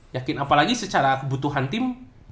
yakin apalagi secara kebutuhan tim